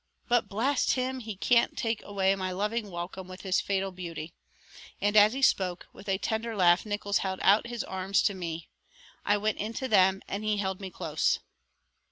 But, blast him, he can't take away my loving welcome with his fatal beauty," and as he spoke, with a tender laugh Nickols held out his arms to me. I went into them and he held me close.